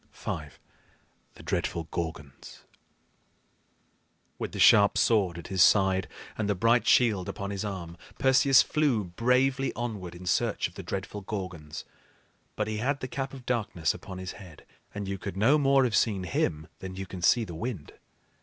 V. THE DREADFUL GORGONS. With the sharp sword at his side and the bright shield upon his arm, Perseus flew bravely onward in search of the dreadful Gorgons; but he had the Cap of Darkness upon his head, and you could no more have seen him than you can see the wind.